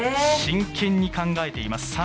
真剣に考えています。